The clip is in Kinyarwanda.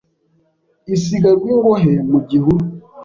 Isiga Rwingohe mu gihuru